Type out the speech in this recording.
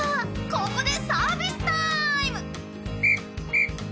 ここでサービスタイム！